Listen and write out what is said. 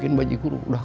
yang bruisee udah